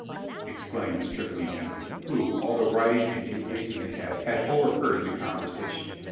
exclaimed the stripling Henry, who, although riding a few paces ahead, had overheard the conversation.